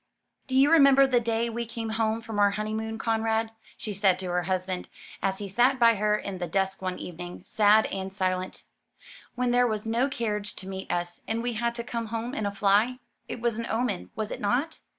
"Do you remember the day we came home from our honeymoon, Conrad," she said to her husband, as he sat by her in the dusk one evening, sad and silent, "when there was no carriage to meet us, and we had to come home in a fly? It was an omen, was it not?"